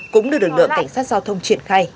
cũng được lực lượng cảnh sát giao thông triển khai